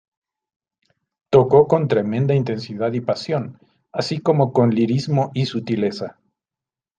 Tocó con tremenda intensidad y pasión, así como con lirismo y sutileza.